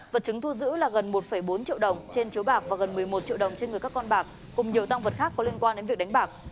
vật chứng thu giữ là gần một bốn triệu đồng trên chiếu bạc và gần một mươi một triệu đồng trên người các con bạc cùng nhiều tăng vật khác có liên quan đến việc đánh bạc